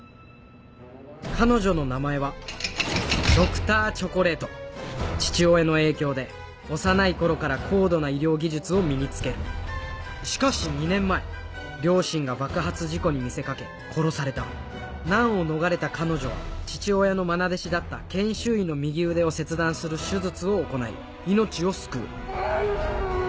彼女の名前はＤｒ．チョコレート父親の影響で幼い頃から高度な医療技術を身に付けるしかし２年前両親が爆発事故に見せかけ殺された難を逃れた彼女は父親のまな弟子だった研修医の右腕を切断する手術を行い命を救ううぅ！